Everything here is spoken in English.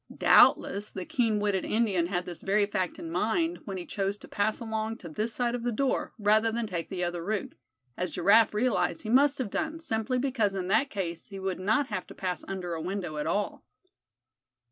Doubtless the keen witted Indian had this very fact in mind when he chose to pass along to this side of the door, rather than take the other route; as Giraffe realized he must have done, simply because in that case he would not have to pass under a window at all.